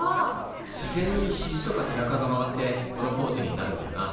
自然にひじとか背中が曲がってこのポーズになるんだよな。